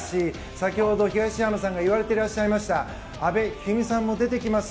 先ほど東山さんが言われてらっしゃった阿部一二三さんも出てきます。